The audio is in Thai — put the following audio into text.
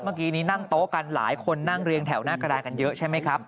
เมื่อกี้นี้นั่งโต๊ะกันหลายคนนั่งเรียงแถวหน้ากระดานกันเยอะใช่ไหมครับ